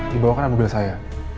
dibawakan abu gel saya